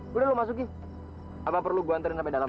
boleh lo masukin apa perlu gue anterin sampai dalam